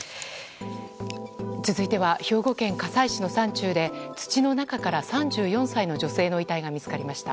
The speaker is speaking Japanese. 続いては、兵庫県加西市の山中で土の中から３４歳の女性の遺体が見つかりました。